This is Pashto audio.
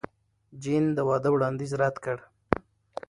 جین د واده وړاندیز رد کړ.